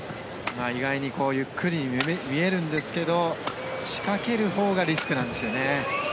意外にゆっくりに見えるんですが仕掛けるほうがリスクなんですよね。